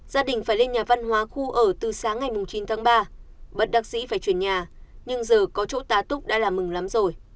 gia đình phải lên nhà văn hóa khu ở từ sáng ngày chín tháng ba bất đắc sĩ phải chuyển nhà nhưng giờ có chỗ tá túc đã là mừng lắm rồi